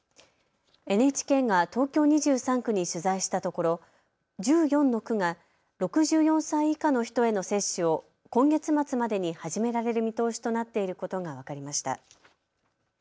ＮＨＫが東京２３区に取材したところ、１４の区が６４歳以下の人への接種を今月末までに始められる見通しとなっていることが分かりました。